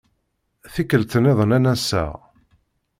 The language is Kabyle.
Tikkelt-nniḍen ad n-aseɣ.